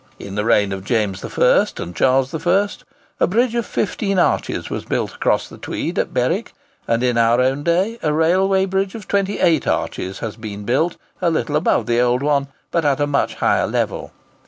In the reigns of James I. and Charles I., a bridge of 15 arches was built across the Tweed at Berwick; and in our own day a railway bridge of 28 arches has been built a little above the old one, but at a much higher level.